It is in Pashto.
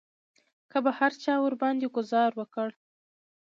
که به هر چا ورباندې ګوزار وکړ.